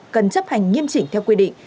cần chấp hành nghiêm chỉnh theo quy định